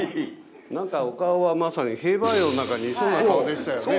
何かお顔はまさに兵馬俑の中にいそうな顔でしたよね。